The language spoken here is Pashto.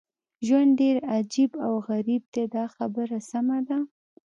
ژوند ډېر عجیب او غریب دی دا خبره سمه ده.